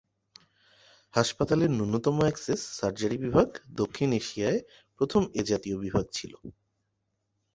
হাসপাতালের ন্যূনতম access surgery বিভাগ দক্ষিণ এশিয়ায় প্রথম এ জাতীয় বিভাগ ছিল।